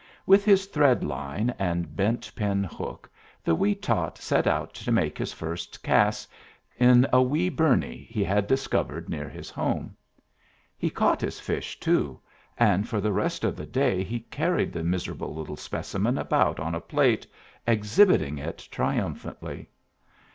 With his thread line and bent pin hook the wee tot set out to make his first cast in "a wee burnie" he had discovered near his home. He caught his fish, too, and for the rest of the day he carried the miserable little specimen about on a plate, exhibiting it triumphantly.